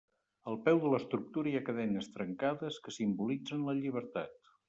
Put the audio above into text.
Al peu de l'estructura hi ha cadenes trencades que simbolitzen la llibertat.